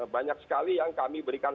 banyak sekali yang kami berikan